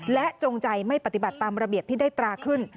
และจงใจไม่ปฏิบัติตามระเบียบที่ได้ตราขึ้น